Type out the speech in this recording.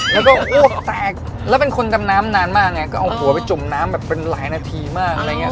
แล้วก็อ้วกแตกแล้วเป็นคนดำน้ำนานมากไงก็เอาหัวไปจุ่มน้ำแบบเป็นหลายนาทีมากอะไรอย่างเงี้